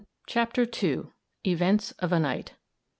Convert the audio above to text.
CHAPTER II. EVENTS OF A NIGHT.